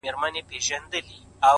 شرنګېدلي د سِتار خوږې نغمې سه,